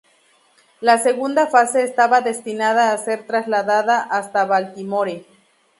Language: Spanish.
La segunda fase estaba destinada a ser trasladada hasta Baltimore.